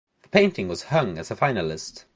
The painting was hung as a finalist.